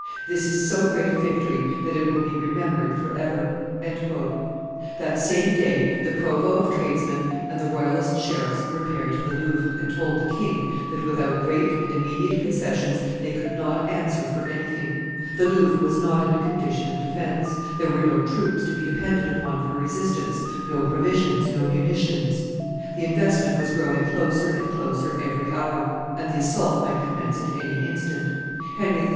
This is so great a victory that it will be remembered forever." That same day, the provost of tradesmen and the royalist sheriffs repaired to the Louvre, and told the king that, without great and immediate concessions, they could not answer for anything; the Louvre was not in a condition of defence; there were no troops to be depended upon for resistance, no provisions, no munitions; the investment was growing closer and closer every hour, and the assault might commence at any instant. Henry III.